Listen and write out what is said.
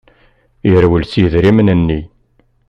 Yerwel s yidrimen-nni.